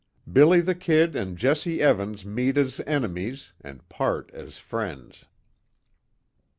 "BILLY THE KID" AND JESSE EVANS MEET AS ENEMIES AND PART AS FRIENDS.